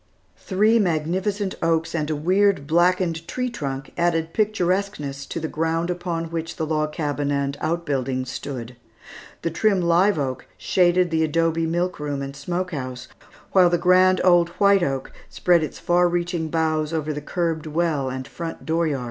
Three magnificent oaks and a weird, blackened tree trunk added picturesqueness to the ground upon which the log cabin and outbuildings stood. The trim live oak shaded the adobe milk room and smoke house, while the grand old white oak spread its far reaching boughs over the curbed well and front dooryard.